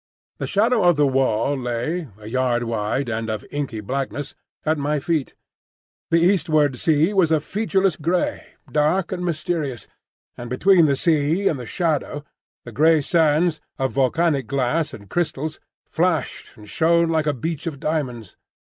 The shadow of the wall lay, a yard wide and of inky blackness, at my feet. The eastward sea was a featureless grey, dark and mysterious; and between the sea and the shadow the grey sands (of volcanic glass and crystals) flashed and shone like a beach of diamonds.